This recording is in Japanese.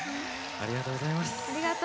ありがとうございます。